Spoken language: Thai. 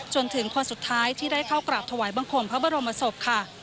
จนถึงคนสุดท้ายที่ได้เข้ากราบถวายบังคมพระบรมศพค่ะ